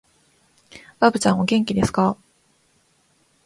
ばぶちゃん、お元気ですかー